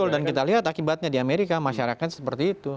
dan kita lihat akibatnya di amerika masyarakat seperti itu